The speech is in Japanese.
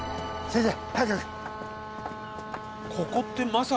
先生